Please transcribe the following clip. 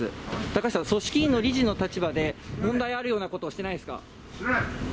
高橋さん、組織委員の理事の立場で問題あるようなことはしてないですか？